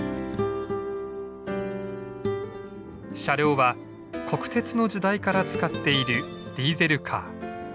車両は国鉄の時代から使っているディーゼルカー。